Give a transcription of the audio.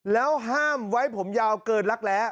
แล้วห้ามไว้ผมยาวเกินรักแร้